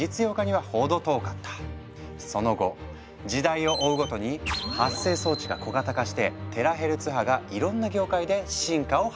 その後時代を追うごとに発生装置が小型化してテラヘルツ波がいろんな業界で真価を発揮していく。